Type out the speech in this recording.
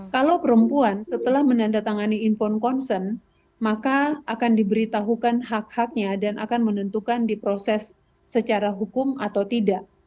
kalau perempuan setelah menandatangani infon concern maka akan diberitahukan hak haknya dan akan menentukan diproses secara hukum atau tidak